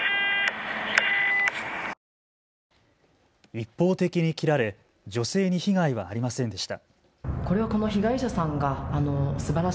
一方的に切られ女性に被害はありませんでした。